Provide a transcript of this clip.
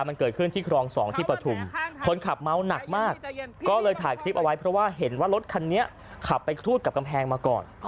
เพราะว่าเห็นว่ารถคันนี้ขับไปทูดกับกำแพงมาก่อน